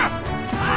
ああ！